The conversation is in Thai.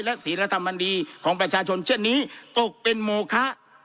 และศีลธรรมดีของประชาชนเช่นนี้ตกเป็นโมคะ